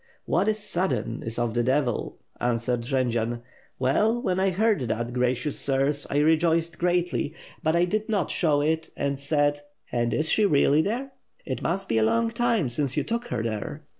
"What is sudden is of the Devil," answered Jendzian. "Well, when I heard that, gracious sirs, I rejoiced greatly, but 1 did not show it and said, 'And is she really ther It must be a long time since you took here there.'